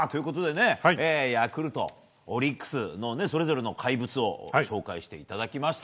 ヤクルト、オリックスのそれぞれの怪物を紹介していただきました。